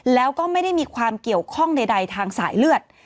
แล้วก็ไม่ได้มีความเกี่ยวข้องใดทางสายเลือด